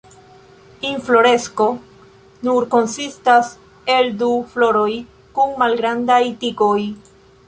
Infloresko nur konsistas el du floroj kun malgrandaj tigoj.